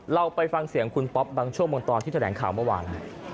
เราไปฟังเสียงคุณป๊อปบางช่วงบางตอนที่แถลงข่าวเมื่อวาน